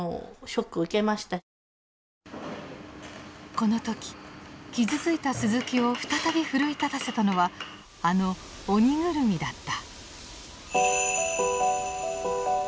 この時傷ついた鈴木を再び奮い立たせたのはあのオニグルミだった。